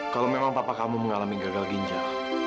kalau memang papa kamu mengalami gagal ginjal